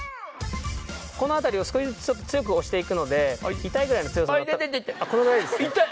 この辺りを少しずつちょっと強く押していくので痛いぐらいの強さになったら。